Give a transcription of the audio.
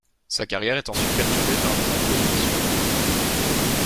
Sa carrière est ensuite perturbée par de nombreuses blessures.